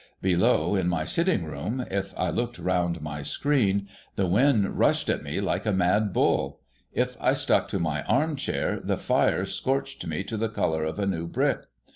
Below, in my sitting room, if I looked round my screen, the wind rushed at me like a mad bull ; if I stuck to my arm chair, the fire scorched me to the colour of a new brick.